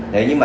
đấy nhưng mà